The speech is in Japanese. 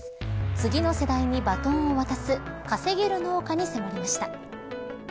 次の世代にバトンを渡す稼げる農家に迫りました。